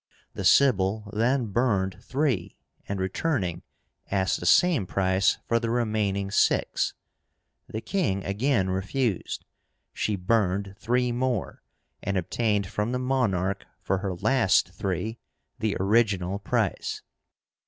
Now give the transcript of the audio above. The sibyl then burned three, and, returning, asked the same price for the remaining six. The king again refused. She burned three more, and obtained from the monarch for her last three the original price.